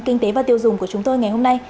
kinh tế và tiêu dùng của chúng tôi ngày hôm nay